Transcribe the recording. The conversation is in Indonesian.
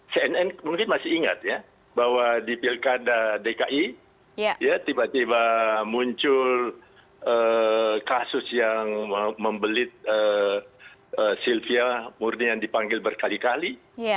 cnn mungkin masih ingat ya bahwa di pilkada dki ya tiba tiba muncul kasus yang membelit sylvia murni yang dipanggil berkali kali